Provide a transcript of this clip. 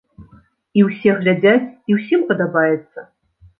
І ўсе глядзяць, і ўсім падабаецца.